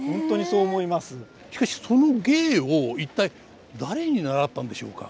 しかしその芸を一体誰に習ったんでしょうか？